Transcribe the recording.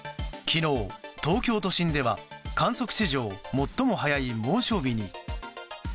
昨日、東京都心では観測史上最も早い猛暑日に。